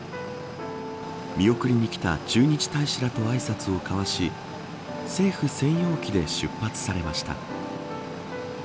見送りに来た駐日大使らとあいさつを交わし政府専用機で出発されました。